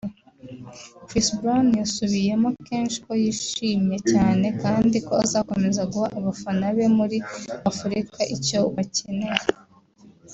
Chris Brown yasubiyemo kenshi ko ‘yishimye cyane kandi ko azakomeza guha abafana be muri Afurika icyo bakeneye